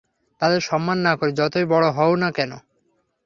তাদের সম্মান না করে, যতই বড় হও না কেন।